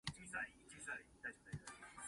有話講甲無話